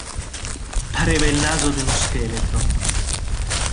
Pareva il naso d'uno scheletro.